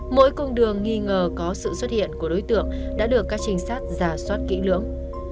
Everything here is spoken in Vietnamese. mỗi cung đường nghi ngờ có sự xuất hiện của đối tượng đã được các trinh sát giả soát kỹ lưỡng